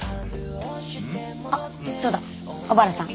あっそうだ小原さん。